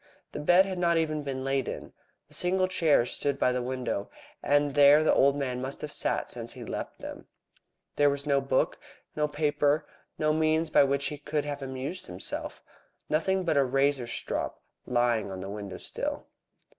The bed had not even been lain upon. The single chair stood by the window, and there the old man must have sat since he left them. There was no book, no paper, no means by which he could have amused himself, nothing but a razor strop lying on the window sill.